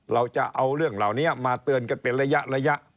เราจะเอาเรื่องเหล่านี้มาเตือนกันเป็นระยะ